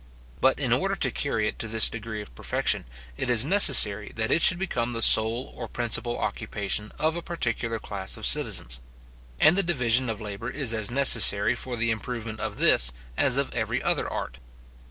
But in order to carry it to this degree of perfection, it is necessary that it should become the sole or principal occupation of a particular class of citizens; and the division of labour is as necessary for the improvement of this, as of every other art.